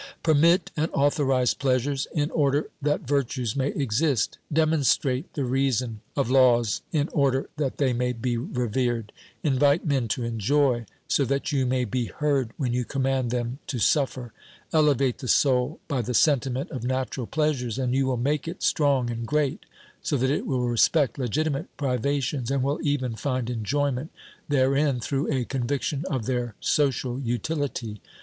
Permit and authorise pleasures in order that virtues may exist ; demonstrate the reason of laws in order that they may be revered ; invite men to enjoy so that you may be heard when you command them to suffer. Elevate the soul by the sentiment of natural pleasures, and you will make it strong and great, so that it will respect legitimate priva 268 OBERMANN tions, and will even find enjoyment therein through a con viction of their social utility.